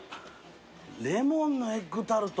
レモンのエッグタルト？